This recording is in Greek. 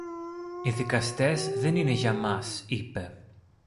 Οι δικαστές δεν είναι για μας, είπε.